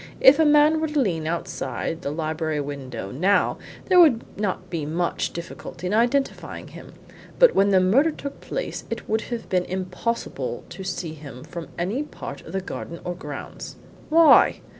If a man were to lean outside the library window now there would not be much difficulty in identifying him, but when the murder took place it would have been impossible to see him from any part of the garden or grounds." "Why?"